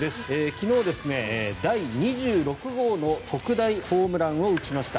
昨日、第２６号の特大ホームランを打ちました。